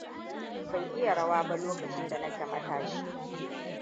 Ban iya rawa ba lokacin da nake matashi.